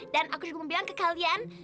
dan aku juga mau bilang ke kalian